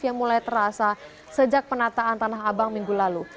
yang mulai terasa sejak penataan tanah abang minggu lalu